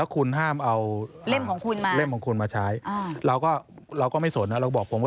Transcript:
คุณห้ามเอาใบนั้นออก